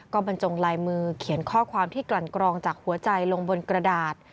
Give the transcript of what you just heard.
ก็บรรจงลายมือเขียนข้อความที่กลั่นกรองจากหัวใจลงบนกระดาษ